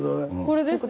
これです。